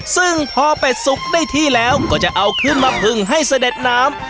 ซึ่งพอเป็ดสุกได้ที่แล้วก็จะเอาขึ้นมาพึงให้เสด็จน้ำ